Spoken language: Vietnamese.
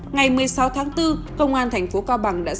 ngày một mươi sáu tháng bốn công an thành phố cao bằng tỉnh cao bằng